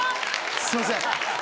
すいません。